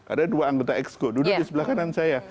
ada dua anggota exco duduk di sebelah kanan saya